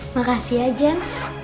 makasih ya jen